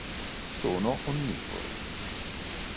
Sono onnivori.